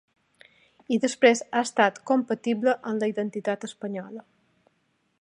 I després ha estat compatible amb la identitat espanyola.